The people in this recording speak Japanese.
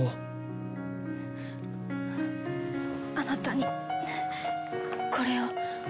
あなたにこれを。